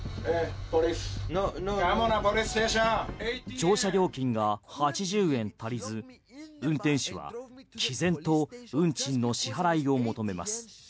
乗車料金が８０円足りず運転手はきぜんと運賃の支払いを求めます。